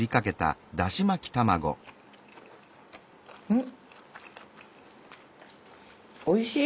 うんおいしい。